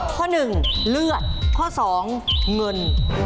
ข้อหนึ่งเลือดข้อ๒เงิน